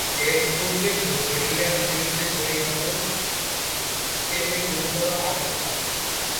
এর পূর্বে বুলগেরিয়ার বিরুদ্ধে জয়ী হলেও পেলে গুরুতর আঘাত পান।